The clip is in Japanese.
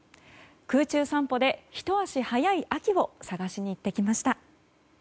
空中散歩でひと足早い秋を探しに行ってきました。